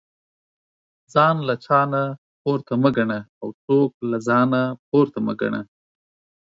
ځان له چانه پورته مه ګنه او څوک له ځانه پورته مه ګنه